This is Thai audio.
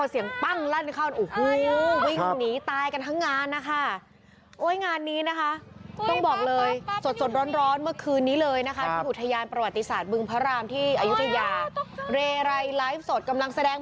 แล้วเพลงก็งีบแล้วเสียง้ั้ง